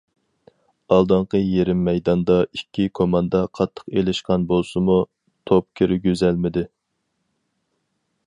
ئالدىنقى يېرىم مەيداندا ئىككى كوماندا قاتتىق ئېلىشقان بولسىمۇ، توپ كىرگۈزەلمىدى.